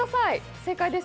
正解です。